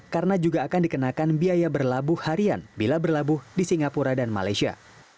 karena juga akan dikenakan biaya berlabuh harian bila berlabuh di singapura dan malaysia